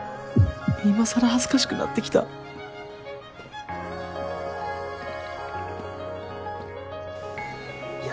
今更恥ずかしくなってきたいや